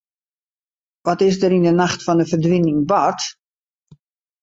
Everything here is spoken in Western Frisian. Wat is der yn 'e nacht fan de ferdwining bard?